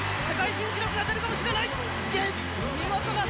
世界新記録が出るかもしれない！